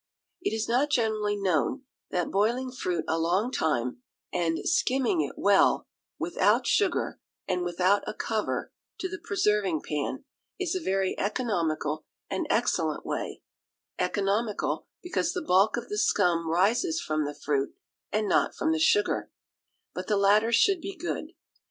It is not generally known that boiling fruit a long time, and skimming it well, without sugar, and without a cover to the preserving pan, is a very economical and excellent way economical, because the bulk of the scum rises from the fruit, and not from the sugar; but the latter should be good.